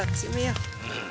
うん。